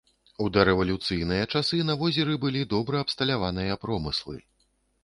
У дарэвалюцыйныя часы на возеры былі добра абсталяваныя промыслы.